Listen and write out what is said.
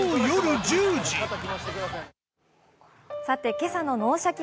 今朝の「脳シャキ！